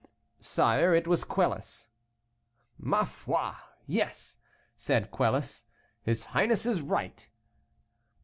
"Sire, it was Quelus." "Ma foi! yes," said Quelus, "his highness is right."